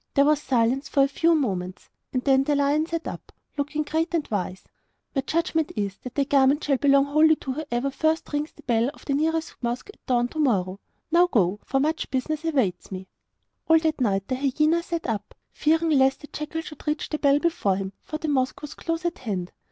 There was silence for a few moments, and then the lion sat up, looking very great and wise. 'My judgment is that the garment shall belong wholly to whoever first rings the bell of the nearest mosque at dawn to morrow. Now go; for much business awaits me!' All that night the hyena sat up, fearing lest the jackal should reach the bell before him, for the mosque was close at hand.